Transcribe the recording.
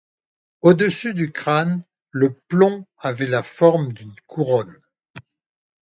Au-dessus du crâne, le plomb avait la forme d'une couronne.